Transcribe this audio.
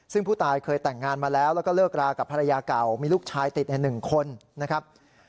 ซึ่งผู้ตายเคยแต่งงานมาแล้วแล้วก็เลิกรากับภรรยาเก่ามีลูกชายติดใน๑คนนะครับ